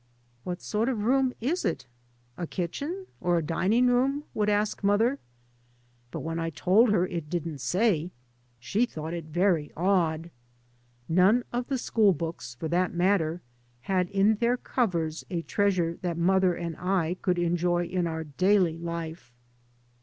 " What sort of room is it — a kitchen or a dining room ?" would ask mother. But when I told her it didn't say, she thought it very odd. None of the school books, for that matter, had in their covers a treasure that mother and I could enjoy in our daily life.